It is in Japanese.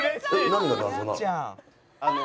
何が謎なの？